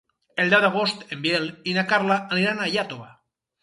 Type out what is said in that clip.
El deu d'agost en Biel i na Carla aniran a Iàtova.